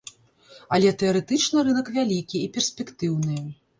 Але тэарэтычна рынак вялікі і перспектыўны.